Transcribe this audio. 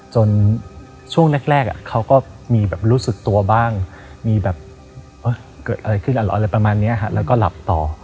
ช่วงแรกเขาก็มีแบบรู้สึกตัวบ้างมีแบบเกิดอะไรขึ้นเหรออะไรประมาณนี้แล้วก็หลับต่อ